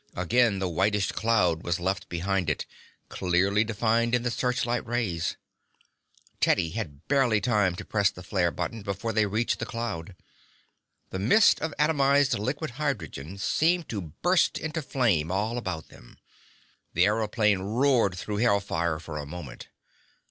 Again the whitish cloud was left behind it, clearly defined in the searchlight rays. Teddy had barely time to press the flare button before they reached the cloud. The mist of atomized liquid hydrogen seemed to burst into flame all about them. The aëroplane roared through hell fire for a moment.